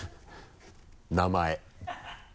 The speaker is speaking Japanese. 名前。